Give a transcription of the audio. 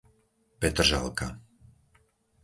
Petržalka